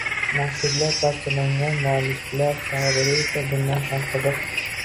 Maktublari parchalangan mualliflar taqdiri esa bundan ham qiziq.